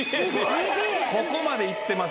ここまで行ってます。